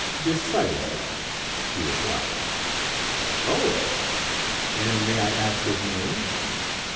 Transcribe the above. "'Decidedly,' he replied. "'Oh! And may I ask his name?'